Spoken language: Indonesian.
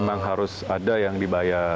memang harus ada yang dibayar